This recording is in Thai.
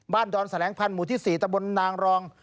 ดอนแสลงพันธ์หมู่ที่๔ตะบนนางรอง